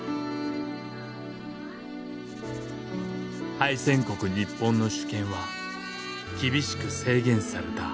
敗戦国日本の主権は厳しく制限された。